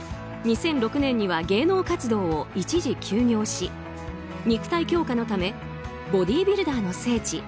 ２００６年には芸能活動を一時休業し肉体強化のためボディービルダーの聖地